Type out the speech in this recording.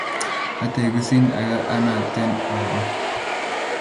Ategisin aka anaten baba